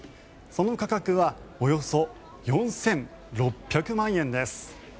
その価格はおよそ４６００万円です。